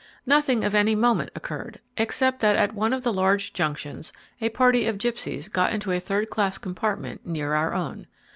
Nothing of any moment occurred, except that at one of the large junctions a party of gipsies got into a third class compartment near our own.